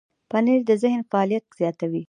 پنېر د ذهن فعالیت زیاتوي.